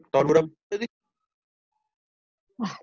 tahun muda berapa tadi